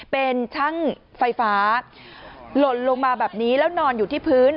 เป็นช่างไฟฟ้าหล่นลงมาแบบนี้แล้วนอนอยู่ที่พื้น